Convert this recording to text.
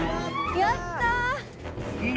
やったな！